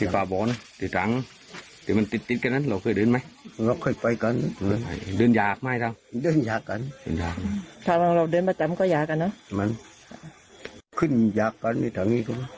ไปหวั่งทางสองตอนนี้